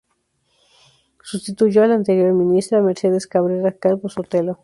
Sustituyó a la anterior ministra Mercedes Cabrera Calvo-Sotelo.